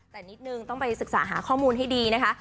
แต่นิดนึงต้องไปศึกษาหาข้อมูลให้ดีนะคะ